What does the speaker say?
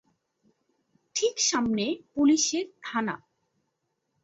ঠিক সামনে পুলিসের থানা।